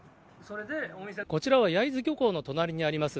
こちらは焼津漁港の隣にあります